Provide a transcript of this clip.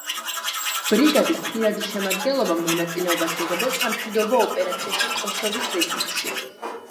ბრიგადის პირადი შემადგენლობა მონაწილეობას იღებდა სამშვიდობო ოპერაციაში კოსოვოს რეგიონში.